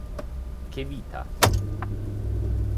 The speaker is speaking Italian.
Che vita!!!